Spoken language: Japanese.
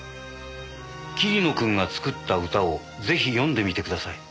桐野君が作った歌をぜひ読んでみてください。